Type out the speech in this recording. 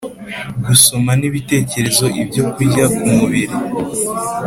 gusoma nibitekerezo ibyo kurya kumubiri.